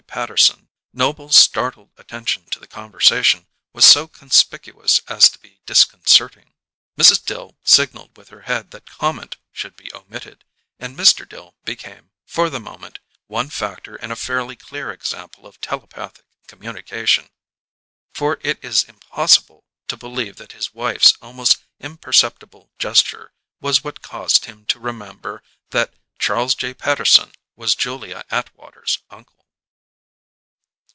Patterson, Noble's startled attention to the conversation was so conspicuous as to be disconcerting. Mrs. Dill signalled with her head that comment should be omitted, and Mr. Dill became, for the moment, one factor in a fairly clear example of telepathic communication, for it is impossible to believe that his wife's almost imperceptible gesture was what caused him to remember that Charles J. Patterson was Julia Atwater's uncle.